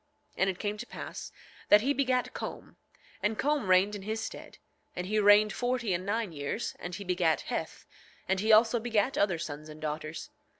9:25 And it came to pass that he begat Com, and Com reigned in his stead; and he reigned forty and nine years, and he begat Heth; and he also begat other sons and daughters.